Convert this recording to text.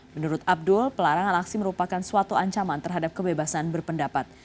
menurut abdul pelarangan aksi merupakan suatu ancaman terhadap kebebasan berpendapat